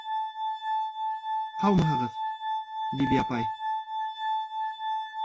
— Һаумыһығыҙ, Биби апай!